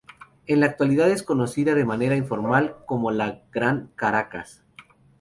En la actualidad es conocida de manera informal como la Gran Caracas.